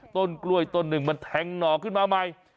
ต้นกล้วยต้นหนึ่งมันแทงหน่อขึ้นมาใหม่